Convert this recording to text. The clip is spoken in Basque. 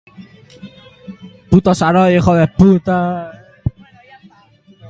Petroleoarekin eta hodiak fabrikatzen dituzten enpresentzat onuragarria izango dela dio.